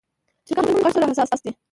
چرګان د غږ سره حساس دي.